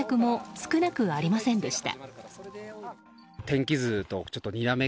少なくありませんでした。